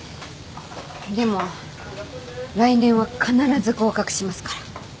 でも来年は必ず合格しますから。